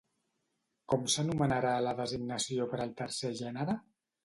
Com s'anomenarà la designació per al tercer gènere?